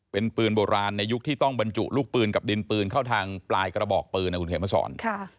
เป็นปืนโบราณในยุคที่ต้องบรรจุลูกปืนกับดินปืนเข้าทางปลายกระบอกปืนนะคุณเขียนมาสอน